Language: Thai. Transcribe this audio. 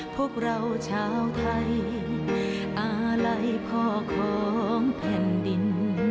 พวกเราชาวไทยอาลัยพ่อของแผ่นดิน